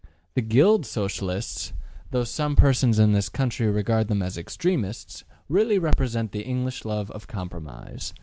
The Guild Socialists, though some persons in this country regard them as extremists, really represent the English love of compromise.